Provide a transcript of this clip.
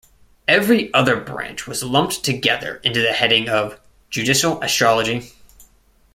Every other branch was lumped together into the heading of 'judicial astrology'.